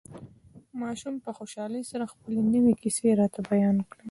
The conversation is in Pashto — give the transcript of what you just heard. ماشوم په خوشحالۍ سره خپلې نوې کيسې راته بيان کړې.